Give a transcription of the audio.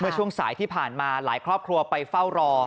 ช่วงสายที่ผ่านมาหลายครอบครัวไปเฝ้ารอ